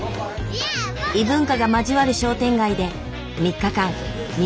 異文化が交わる商店街で３日間耳を傾けた。